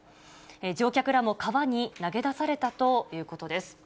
乗客らも川に投げ出されたということです。